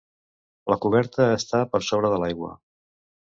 La coberta està per sobre de l'aigua.